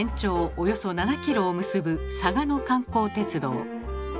およそ７ｋｍを結ぶ嵯峨野観光鉄道。